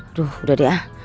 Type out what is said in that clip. aduh udah deh ah